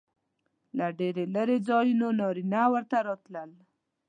له ډېرو لرې ځایونو نارینه ورتلل.